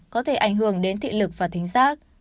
có thể ảnh hưởng đến thị lực và tính giác